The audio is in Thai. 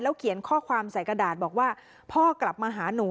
เขียนข้อความใส่กระดาษบอกว่าพ่อกลับมาหาหนู